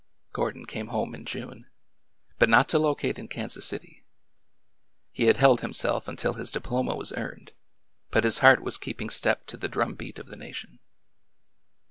Gordon came home in June— but not to locate in Kan sas City. He had held himself until his diploma was earned, but his heart was keeping step to the drum beat i88 ORDER NO. 11 of the nation.